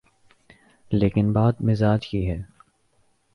لیکن بات مزاج کی ہے۔